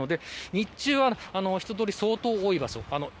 日中は、人通り相当多い場所です。